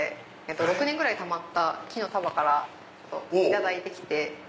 ６年ぐらいたまった木の束から頂いて来て。